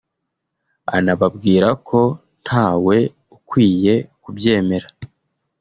anababwira ko ntawe ukwiye kubyemera